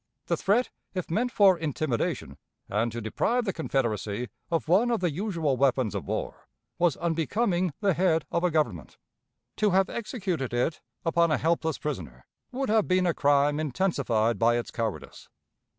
The threat, if meant for intimidation, and to deprive the Confederacy of one of the usual weapons of war, was unbecoming the head of a Government. To have executed it upon a helpless prisoner, would have been a crime intensified by its cowardice.